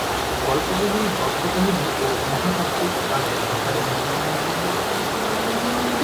গল্পগুলি গদ্যকাহিনী ও মহাকাব্যিক গানের আকারে বিদ্যমান।